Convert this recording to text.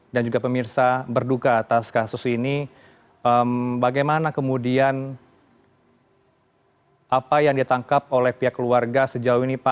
dan juga pemirsa berduka atas kasus ini bagaimana kemudian apa yang ditangkap oleh pihak keluarga sejauh ini pak